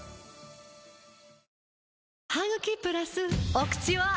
お口は！